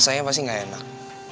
rasanya pasti enggak enak